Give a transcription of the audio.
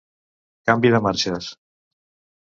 Canvi de marxes.